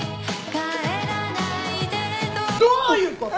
どういうこと！？